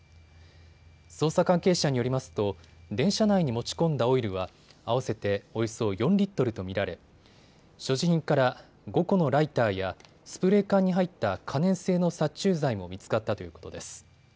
捜査関係者によりますと電車内に持ち込んだオイルは合わせておよそ４リットルと見られ所持品から５個のライターやスプレー缶に入った可燃性の殺虫剤も見つかったということです。